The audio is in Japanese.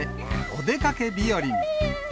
お出かけ日和に。